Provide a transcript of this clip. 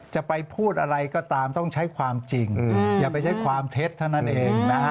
จะไปพูดอะไรก็ตามต้องใช้ความจริงอย่าไปใช้ความเท็จเท่านั้นเองนะฮะ